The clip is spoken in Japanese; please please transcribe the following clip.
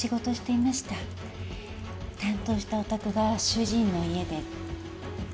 担当したお宅が主人の家で。